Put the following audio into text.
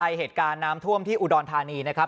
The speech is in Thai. เหตุการณ์น้ำท่วมที่อุดรธานีนะครับ